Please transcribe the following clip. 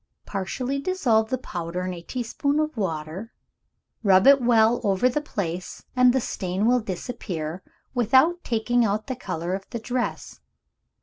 Partially dissolve the powder in a teaspoonful of water; rub it well over the place, and the stain will disappear, without taking out the color of the dress.